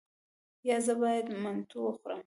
ایا زه باید منتو وخورم؟